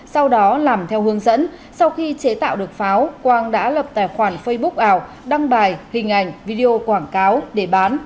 sau đó làm theo hướng dẫn sau khi chế tạo được pháo quang đã lập tài khoản facebook ảo đăng bài hình ảnh video quảng cáo để bán